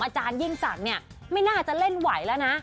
อาจารยิ่งศักดิ์เนี่ยไม่น่าจะเล่นไหวแล้วนะ